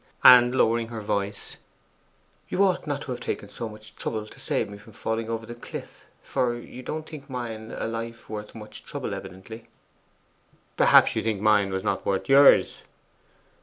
And lowering her voice: 'You ought not to have taken so much trouble to save me from falling over the cliff, for you don't think mine a life worth much trouble evidently.' 'Perhaps you think mine was not worth yours.